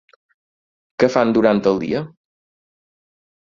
Què fan durant el dia?